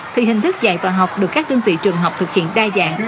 thì hình thức dạy và học được các đơn vị trường học thực hiện đa dạng